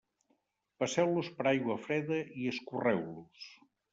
Passeu-los per aigua freda i escorreu-los.